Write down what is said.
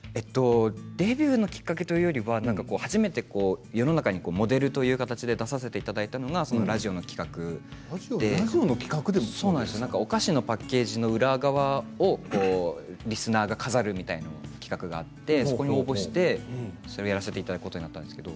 デビューのきっかけというか初めて世の中にモデルという形で出させていただいたのがラジオの企画でお菓子のパッケージの裏側をリスナーが飾るみたいな企画があってそこに応募してそれをやらせていただくことになったんですけど。